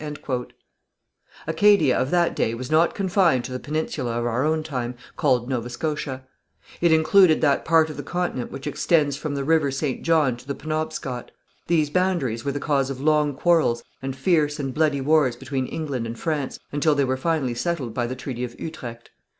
Acadia of that day was not confined to the peninsula of our own time, called Nova Scotia. It included that part of the continent which extends from the river St. John to the Penobscot. These boundaries were the cause of long quarrels and fierce and bloody wars between England and France until they were finally settled by the Treaty of Utrecht.